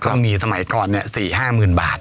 ต้องมีสมัยก่อนเนี่ย๔๕หมื่นบาท